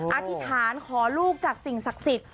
อธิษฐานขอลูกจากสิ่งศักดิ์สิทธิ์